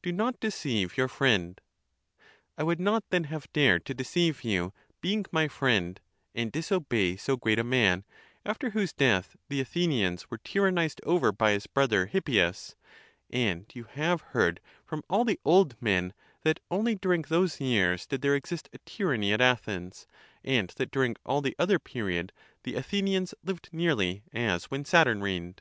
Do not deceive your friend." I would not then have dared to deceive you, being my friend, and disobey so great a man; after whose death, the Athenians were tyrannized over by his brother Hippias ; and you have heard from all the old men, that only during those years did there exist a tyranny at Athens, and that during all the other period, the Athenians lived nearly as when Saturn reigned.?